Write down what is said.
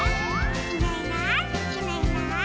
「いないいないいないいない」